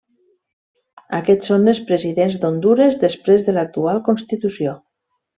Aquests són els presidents d'Hondures després de l'actual constitució.